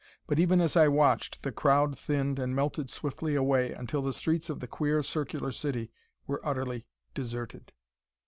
But even as I watched, the crowd thinned and melted swiftly away, until the streets of the queer, circular city were utterly deserted.